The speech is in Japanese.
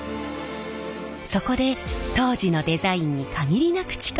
そこで当時のデザインに限りなく近い形で復刻。